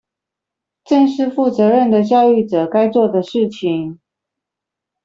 正是負責任的教育者該做的事情